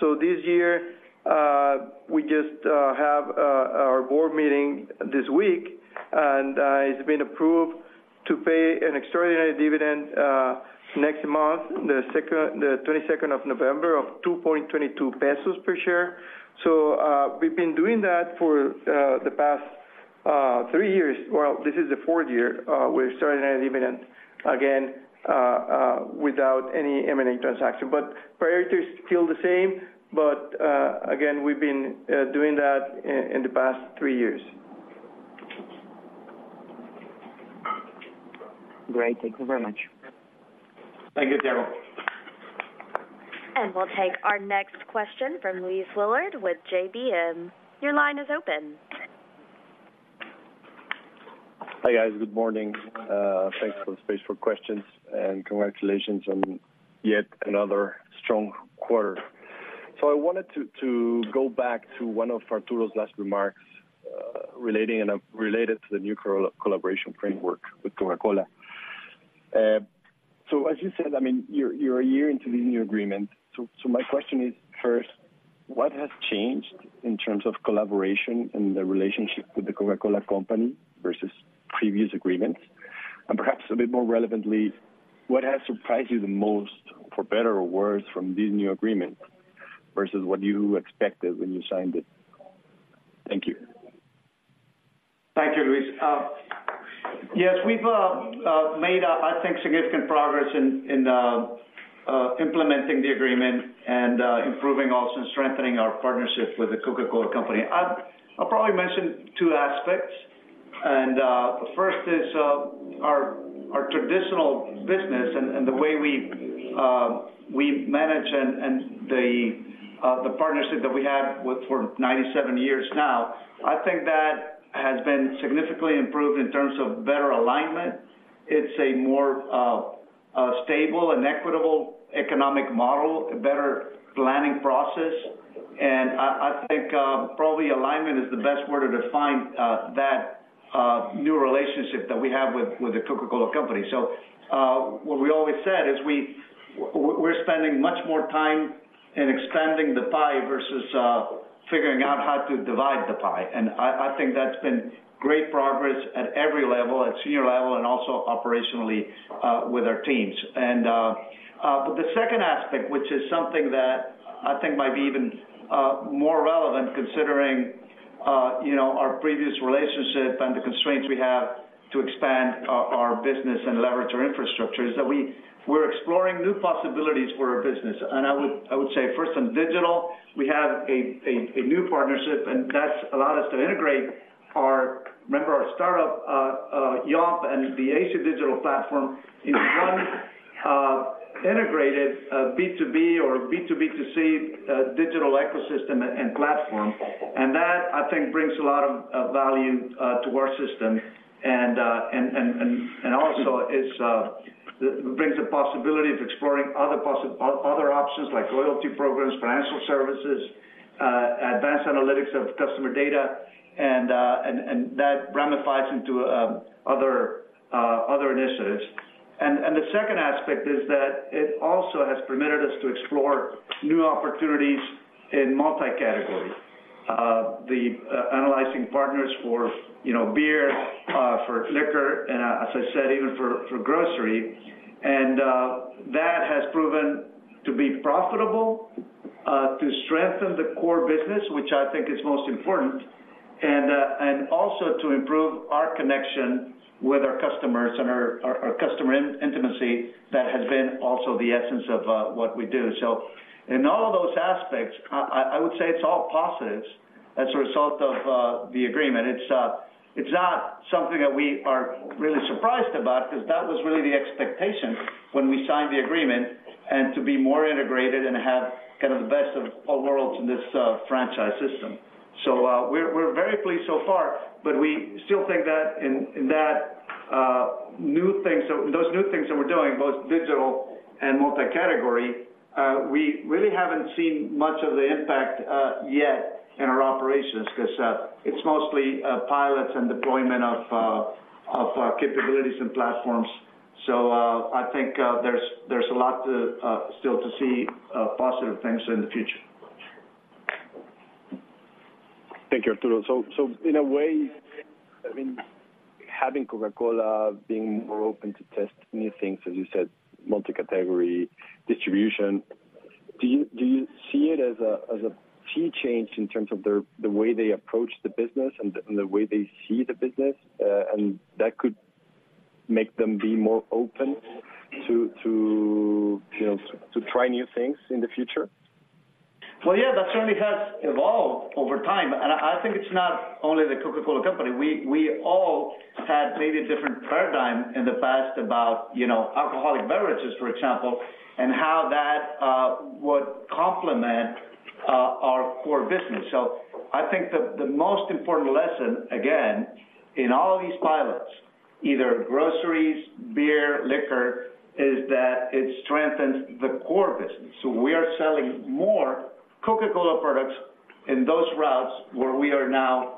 So this year, we just have our board meeting this week, and it's been approved to pay an extraordinary dividend next month, the 22nd of November, of 2.22 pesos per share. So we've been doing that for the past three years. Well, this is the fourth year we're starting our dividend again without any M&A transaction. But priorities still the same, but again, we've been doing that in the past three years. Great. Thank you very much. Thank you, Thiago. We'll take our next question from Luis Willard with GBM. Your line is open. Hi, guys. Good morning. Thanks for the space for questions, and congratulations on yet another strong quarter. So I wanted to go back to one of Arturo's last remarks, related to the new collaboration framework with Coca-Cola. So as you said, I mean, you're a year into the new agreement. So my question is, first, what has changed in terms of collaboration and the relationship with the Coca-Cola Company versus previous agreements? And perhaps a bit more relevantly, what has surprised you the most, for better or worse, from this new agreement versus what you expected when you signed it? Thank you. Thank you, Luis. Yes, we've made, I think, significant progress in implementing the agreement and improving also and strengthening our partnership with the Coca-Cola Company. I'll probably mention two aspects, and the first is our traditional business and the partnership that we have with for 97 years now. I think that has been significantly improved in terms of better alignment. It's a more stable and equitable economic model, a better planning process, and I think probably alignment is the best word to define that new relationship that we have with the Coca-Cola Company. So, what we always said is we're spending much more time in expanding the pie versus figuring out how to divide the pie. And I think that's been great progress at every level, at senior level, and also operationally with our teams. And but the second aspect, which is something that I think might be even more relevant considering you know our previous relationship and the constraints we have to expand our business and leverage our infrastructure, is that we're exploring new possibilities for our business. And I would say, first, on digital, we have a new partnership, and that's allowed us to integrate our... Remember our startup Yomp and the AC Digital Platform, into one integrated B2B or B2B2C digital ecosystem and platform. I think that brings a lot of value to our system, and also it brings a possibility of exploring other options like loyalty programs, financial services, advanced analytics of customer data, and that ramifies into other initiatives. The second aspect is that it also has permitted us to explore new opportunities in multi-category. The analyzing partners for, you know, beer, for liquor, and, as I said, even for grocery. That has proven to be profitable to strengthen the core business, which I think is most important, and also to improve our connection with our customers and our customer intimacy that has been also the essence of what we do. In all of those aspects, I would say it's all positives as a result of the agreement. It's not something that we are really surprised about, because that was really the expectation when we signed the agreement, and to be more integrated and have kind of the best of all worlds in this franchise system. We're very pleased so far, but we still think that in that new things, so those new things that we're doing, both digital and multi-category, we really haven't seen much of the impact yet in our operations, because it's mostly pilots and deployment of capabilities and platforms. I think there's a lot to still see positive things in the future. Thank you, Arturo. So, in a way, I mean, having Coca-Cola being more open to test new things, as you said, multi-category distribution, do you see it as a key change in terms of the way they approach the business and the way they see the business, and that could make them be more open to, you know, to try new things in the future? Well, yeah, that certainly has evolved over time, and I think it's not only the Coca-Cola Company. We all had maybe a different paradigm in the past about, you know, alcoholic beverages, for example, and how that would complement our core business. So I think the most important lesson, again, in all of these pilots, either groceries, beer, liquor, is that it strengthens the core business. So we are selling more Coca-Cola products in those routes where we are now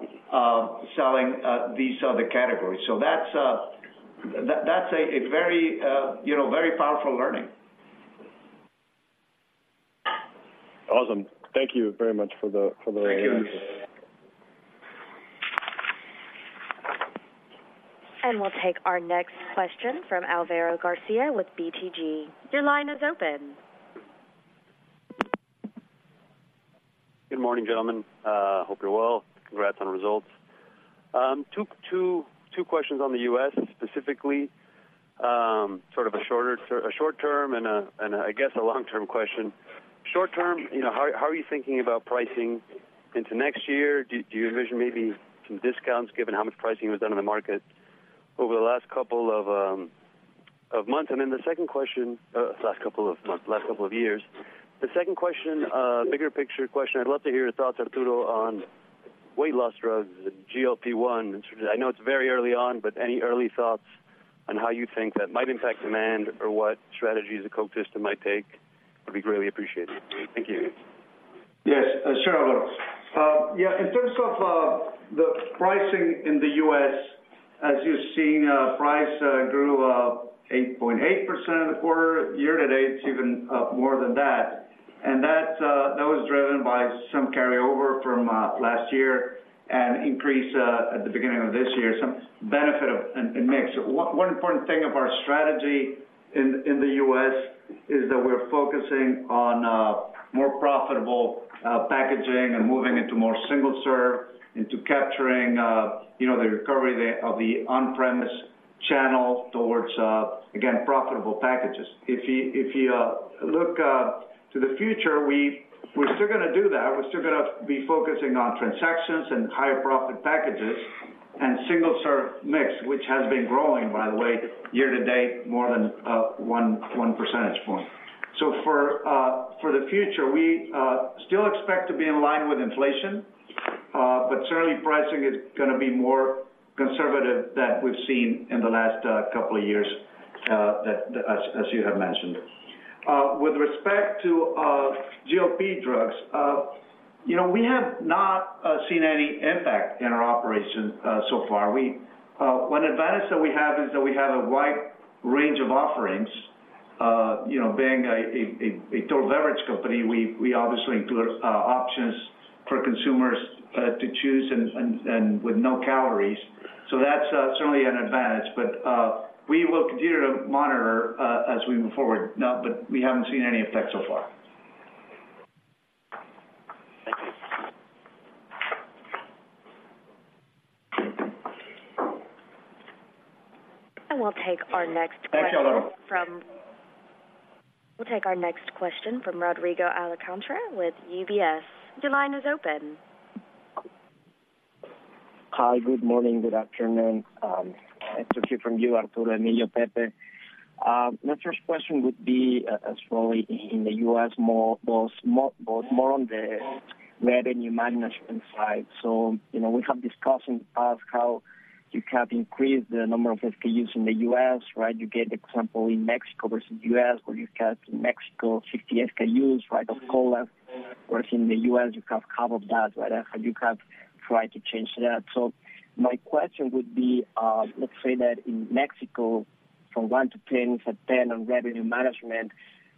selling these other categories. So that's that, that's a very, you know, very powerful learning. Awesome. Thank you very much for the- Thank you. We'll take our next question from Álvaro García with BTG. Your line is open. Good morning, gentlemen. Hope you're well. Congrats on the results. Two questions on the US, specifically, sort of a short term and, I guess, a long-term question. Short term, you know, how are you thinking about pricing into next year? Do you envision maybe some discounts given how much pricing was done in the market over the last couple of months? The second question, last couple of months, last couple of years. The second question, bigger picture question, I'd love to hear your thoughts, Arturo, on weight loss drugs, GLP-1. I know it's very early on, but any early thoughts on how you think that might impact demand or what strategies the Coke system might take, would be greatly appreciated. Thank you. Yes, sure, Alvaro. Yeah, in terms of the pricing in the U.S., as you've seen, price grew 8.8% in the quarter. Year to date, it's even more than that. That was driven by some carryover from last year and increase at the beginning of this year, some benefit of a mix. One important thing of our strategy in the U.S. is that we're focusing on more profitable packaging and moving into more single serve, into capturing, you know, the recovery of the on-premise channel towards, again, profitable packages. If you look to the future, we're still gonna do that. We're still gonna be focusing on transactions and higher profit packages and single serve mix, which has been growing, by the way, year to date, more than one percentage point. So for the future, we still expect to be in line with inflation, but certainly pricing is gonna be more conservative than we've seen in the last couple of years, as you have mentioned. With respect to GLP drugs... You know, we have not seen any impact in our operations so far. We, one advantage that we have is that we have a wide range of offerings. You know, being a total leverage company, we obviously include options for consumers to choose and with no calories. So that's certainly an advantage. We will continue to monitor, as we move forward. No, but we haven't seen any effect so far. Thank you. And we'll take our next question from- Next call. We'll take our next question from Rodrigo Alcantara with UBS. Your line is open. Hi, good morning. Good afternoon. To hear from you, Arturo, Emilio, Pepe. My first question would be, as probably in the US more, both, more, both, more on the revenue management side. You know, we have discussions as how you have increased the number of SKUs in the US, right? You get example in Mexico versus US, where you have Mexico, 60 SKUs, right, of cola, versus in the US, you have half of that, right? You have tried to change that. My question would be, let's say that in Mexico, from 1 to 10, it's a 10 on revenue management,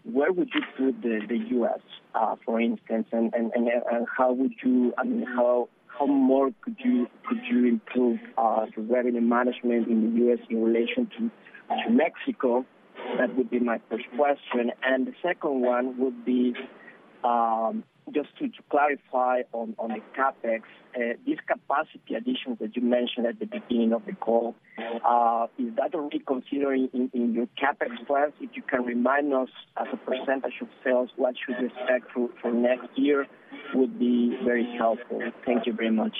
where would you put the US, for instance? And, and, and how would you, I mean, how, how more could you, could you improve the revenue management in the US in relation to Mexico? That would be my first question. And the second one would be, just to clarify on the CapEx, this capacity additions that you mentioned at the beginning of the call, is that only considering in your CapEx plans? If you can remind us, as a percentage of sales, what should we expect for next year, that would be very helpful. Thank you very much.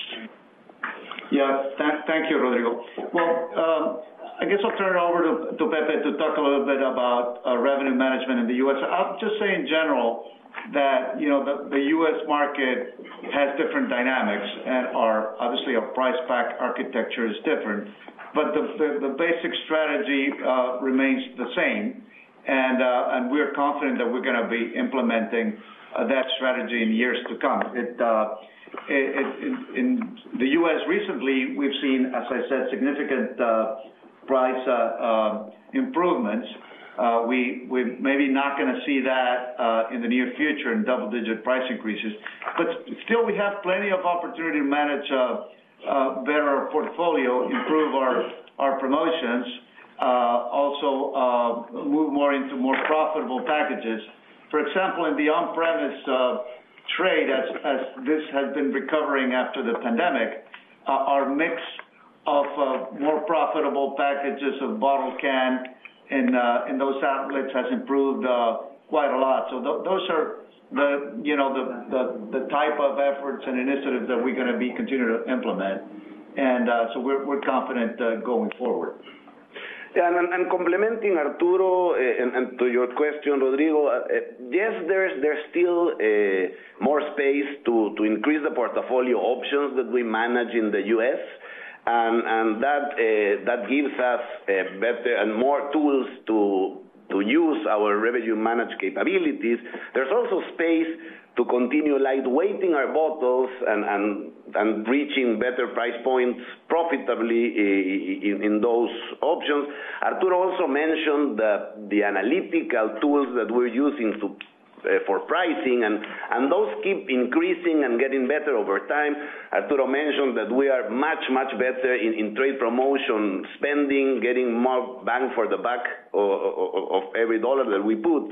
Yeah. Thank you, Rodrigo. Well, I guess I'll turn it over to Pepe, to talk a little bit about revenue management in the US. I'll just say in general, that you know, the US market has different dynamics and, obviously, our price pack architecture is different, but the basic strategy remains the same. And we're confident that we're gonna be implementing that strategy in years to come. In the US recently, we've seen, as I said, significant price improvements. We're maybe not gonna see that in the near future in double-digit price increases, but still, we have plenty of opportunity to manage better our portfolio, improve our promotions, also move more into more profitable packages. For example, in the on-premise trade, as this has been recovering after the pandemic, our mix of more profitable packages of bottle can in those outlets has improved quite a lot. So those are the, you know, the type of efforts and initiatives that we're gonna be continuing to implement. So we're confident going forward. Yeah, and I'm complimenting Arturo, and to your question, Rodrigo, yes, there is, there's still more space to increase the portfolio options that we manage in the US, and that gives us better and more tools to use our revenue management capabilities. There's also space to continue lightweighting our bottles and reaching better price points profitably in those options. Arturo also mentioned the analytical tools that we're using for pricing, and those keep increasing and getting better over time. Arturo mentioned that we are much better in trade promotion spending, getting more bang for the buck of every dollar that we put.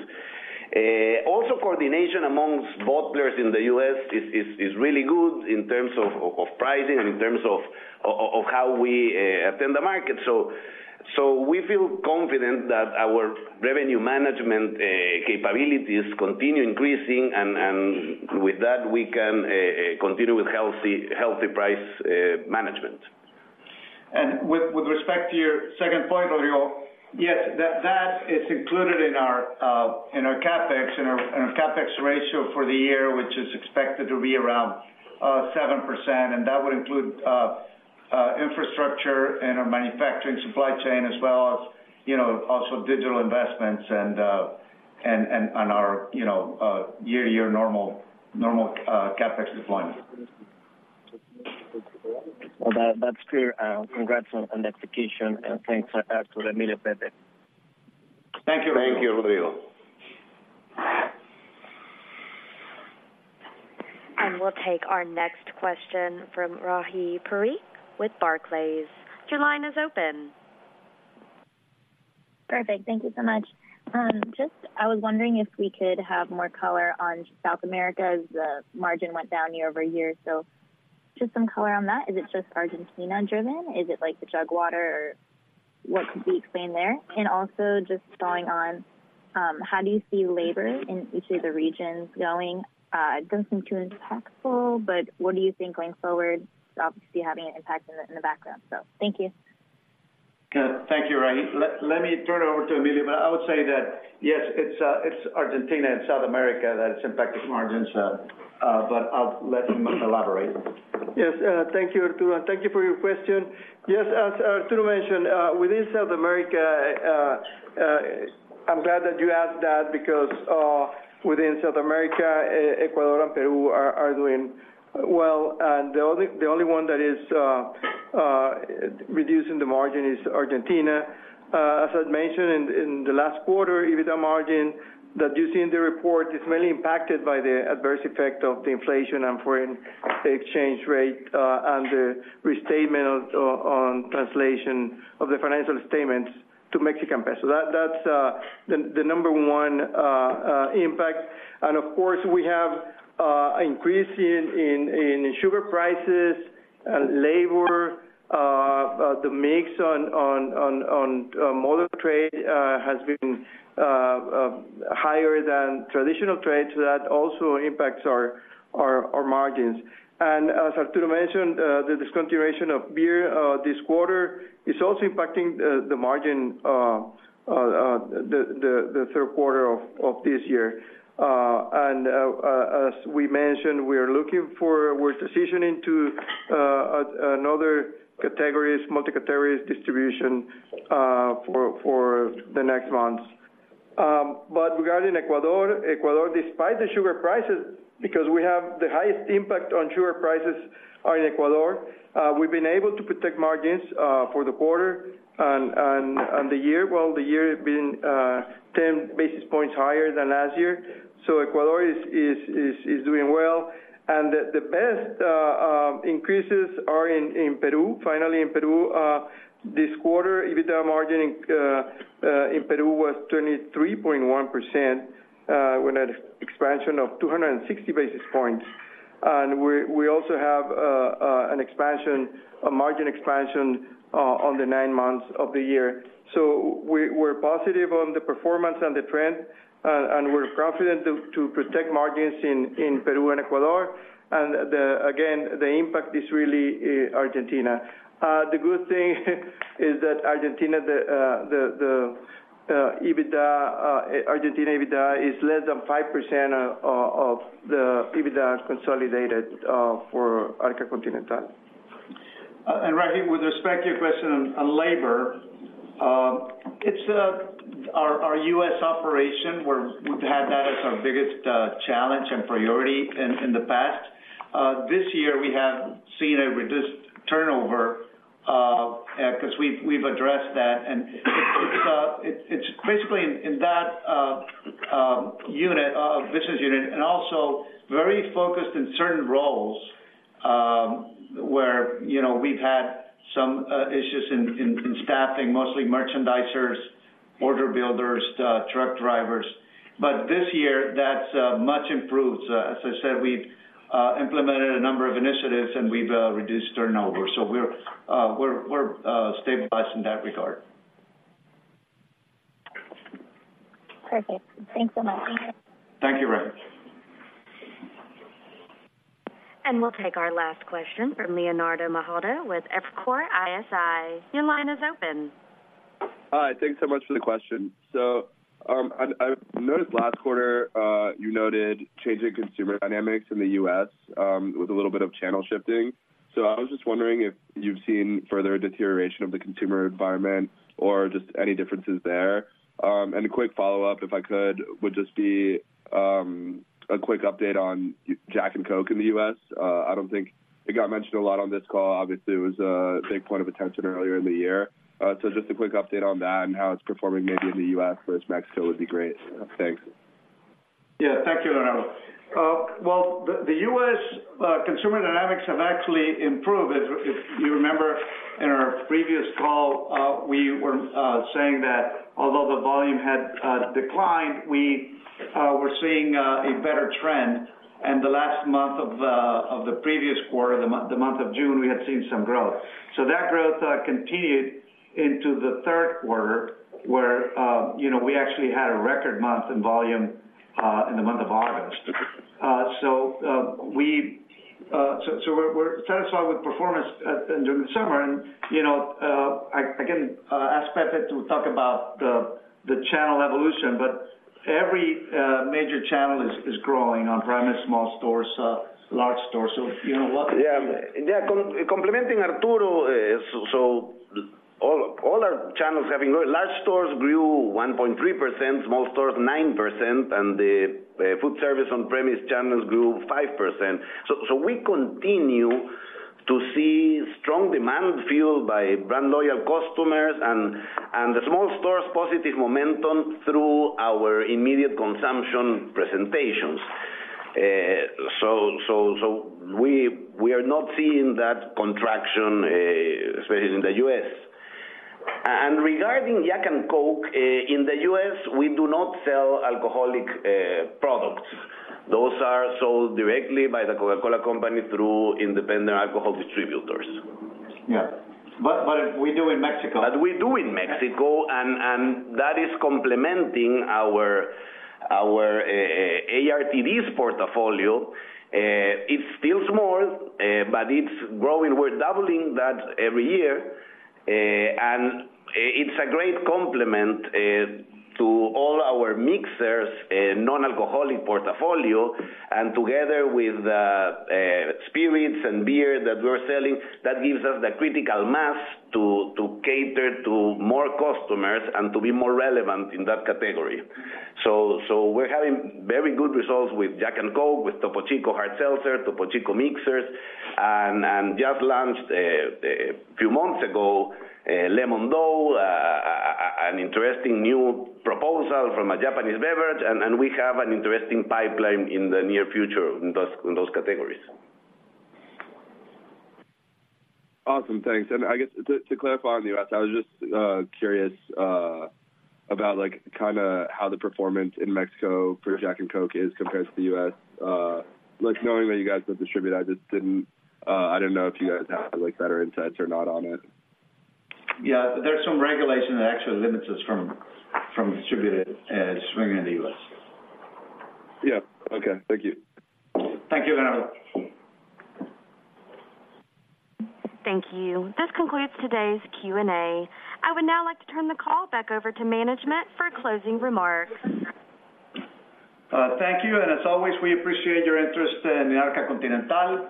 Also, coordination among bottlers in the U.S. is really good in terms of pricing and in terms of how we attend the market. So we feel confident that our revenue management capabilities continue increasing, and with that, we can continue with healthy price management. With respect to your second point, Rodrigo, yes, that is included in our CapEx ratio for the year, which is expected to be around 7%, and that would include infrastructure and our manufacturing supply chain, as well as, you know, also digital investments and our, you know, year-to-year normal CapEx deployment. Well, that's clear, and congrats on the execution, and thanks, Arturo, Emilio, Pepe. Thank you. Thank you, Rodrigo. We'll take our next question from Rahi Parikh with Barclays. Your line is open. Perfect. Thank you so much. Just, I was wondering if we could have more color on South America's margin went down year-over-year, so just some color on that. Is it just Argentina-driven? Is it like the jug water or what could be explained there? And also just following on, how do you see labor in each of the regions going? It doesn't seem too impactful, but what do you think going forward, obviously having an impact in the, in the background? So thank you. Good. Thank you, Rahi. Let me turn it over to Emilio, but I would say that, yes, it's Argentina and South America that it's impacting margins. But I'll let— Please elaborate. Yes, thank you, Arturo. Thank you for your question. Yes, as Arturo mentioned, within South America, I'm glad that you asked that because, within South America, Ecuador and Peru are doing well, and the only one that is reducing the margin is Argentina. As I mentioned in the last quarter, EBITDA margin that you see in the report is mainly impacted by the adverse effect of the inflation and foreign exchange rate, and the restatement on translation of the financial statements to Mexican peso. That's the number one impact. And of course, we have increase in sugar prices and labor. The mix on modern trade has been higher than traditional trade, so that also impacts our margins. And as Arturo mentioned, the discontinuation of beer this quarter is also impacting the margin the Q3 of this year. And as we mentioned, we are looking for-- we're transitioning to another categories, multi-categories distribution for the next months. But regarding Ecuador, despite the sugar prices, because we have the highest impact on sugar prices are in Ecuador, we've been able to protect margins for the quarter and the year. Well, the year has been 10 basis points higher than last year, so Ecuador is doing well. The best increases are in Peru. Finally, in Peru, this quarter, EBITDA margin in Peru was 23.1%, with an expansion of 260 basis points. And we also have an expansion, a margin expansion, on the nine months of the year. So we're positive on the performance and the trend, and we're confident to protect margins in Peru and Ecuador. And again, the impact is really Argentina. The good thing is that Argentina EBITDA is less than 5% of the EBITDA consolidated for Arca Continental. And Rahi, with respect to your question on labor, it's our US operation, where we've had that as our biggest challenge and priority in the past. This year, we have seen a reduced turnover because we've addressed that. And it's basically in that unit business unit, and also very focused in certain roles, where, you know, we've had some issues in staffing, mostly merchandisers, order builders, truck drivers. But this year, that's much improved. As I said, we've implemented a number of initiatives, and we've reduced turnover. So we're stabilized in that regard. Perfect. Thanks so much. Thank you, Rahi. We'll take our last question from Leonardo Malhado with Evercore ISI. Your line is open. Hi, thanks so much for the question. I noticed last quarter, you noted changing consumer dynamics in the US, with a little bit of channel shifting. I was just wondering if you've seen further deterioration of the consumer environment or just any differences there? A quick follow-up, if I could, would just be a quick update on Jack & Coke in the US. I don't think it got mentioned a lot on this call. Obviously, it was a big point of attention earlier in the year. Just a quick update on that and how it's performing maybe in the US versus Mexico would be great. Thanks. Yeah, thank you, Leonardo. Well, the U.S. consumer dynamics have actually improved. If you remember, in our previous call, we were saying that although the volume had declined, we were seeing a better trend. And the last month of the previous quarter, the month of June, we had seen some growth. So that growth continued into the Q3, where, you know, we actually had a record month in volume, in the month of August. So we're satisfied with performance during the summer. And, you know, I again asked Pepe to talk about the channel evolution, but every major channel is growing, on-premise, small stores, large stores. So you know what? Yeah, yeah, complementing Arturo, so all our channels are having growth. Large stores grew 1.3%, small stores 9%, and the food service on-premise channels grew 5%. So we continue to see strong demand fueled by brand loyal customers and the small stores positive momentum through our immediate consumption presentations. So we are not seeing that contraction, especially in the US. And regarding Jack & Coke, in the US, we do not sell alcoholic products. Those are sold directly by the Coca-Cola Company through independent alcohol distributors. Yeah. But we do in Mexico. But we do in Mexico, and that is complementing our ARTD portfolio. It's still small, but it's growing. We're doubling that every year. And it's a great complement to all our mixers and non-alcoholic portfolio, and together with spirits and beer that we're selling, that gives us the critical mass to cater to more customers and to be more relevant in that category. So we're having very good results with Jack & Coke, with Topo Chico Hard Seltzer, Topo Chico Mixers, and just launched a few months ago, Lemon-Dou, an interesting new proposal from a Japanese beverage, and we have an interesting pipeline in the near future in those categories. Awesome. Thanks. I guess to clarify on the U.S., I was just curious about, like, kind of how the performance in Mexico for Jack & Coke is compared to the U.S. Like, knowing that you guys don't distribute, I just didn't—I didn't know if you guys had, like, better insights or not on it. Yeah, there's some regulation that actually limits us from distributing spirits in the U.S. Yeah. Okay, thank you. Thank you, Leonardo. Thank you. This concludes today's Q&A. I would now like to turn the call back over to management for closing remarks. Thank you, and as always, we appreciate your interest in Arca Continental.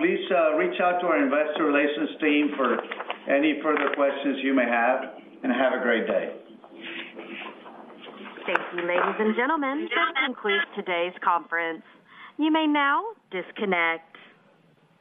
Please, reach out to our investor relations team for any further questions you may have, and have a great day. Thank you, ladies and gentlemen. This concludes today's conference. You may now disconnect.